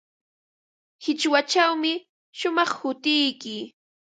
Qichwachawmi shumaq hutiyki.